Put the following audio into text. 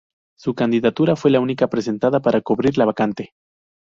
Su candidatura fue la única presentada para cubrir la vacante.